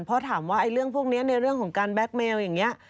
เพราะถามว่าเรื่องพวกนี้ในเรื่องของการแก๊กเมลอย่างนี้